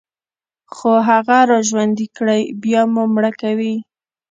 خو هغه راژوندي كړئ، بيا مو مړه کوي